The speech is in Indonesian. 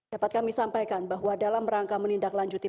dapat kami sampaikan bahwa dalam rangka menindaklanjuti